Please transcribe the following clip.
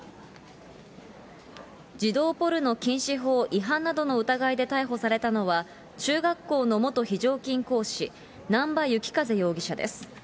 児童ポルノ禁止法違反などの疑いで逮捕されたのは、中学校の元非常勤講師、難波幸風容疑者です。